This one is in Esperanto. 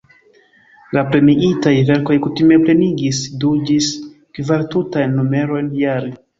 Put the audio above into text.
La premiitaj verkoj kutime plenigis du ĝis kvar tutajn numerojn jare.